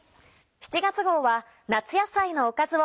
７月号は「夏野菜のおかずを」